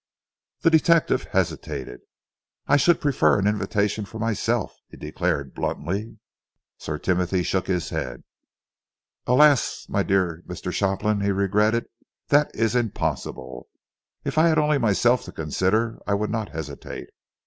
The detective hesitated. "I should prefer an invitation for myself," he declared bluntly. Sir Timothy shook his head. "Alas, my dear Mr. Shopland," he regretted, "that is impossible! If I had only myself to consider I would not hesitate.